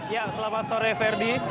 ya selamat sore ferdi